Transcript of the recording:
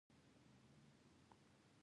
سور رنګ د خوښۍ نښه ده.